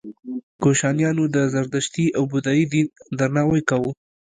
کوشانیانو د زردشتي او بودايي دین درناوی کاوه